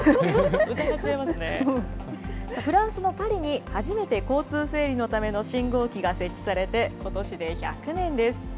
フランスのパリに初めて交通整理のための信号機が設置されて、ことしで１００年です。